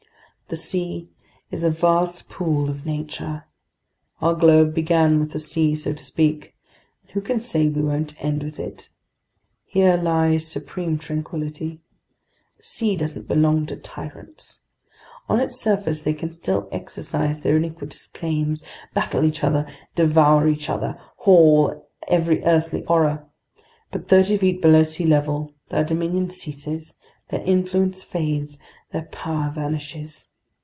The sea is a vast pool of nature. Our globe began with the sea, so to speak, and who can say we won't end with it! Here lies supreme tranquility. The sea doesn't belong to tyrants. On its surface they can still exercise their iniquitous claims, battle each other, devour each other, haul every earthly horror. But thirty feet below sea level, their dominion ceases, their influence fades, their power vanishes!